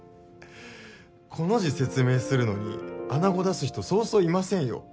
「子」の字説明するのに「穴子」出す人そうそういませんよ。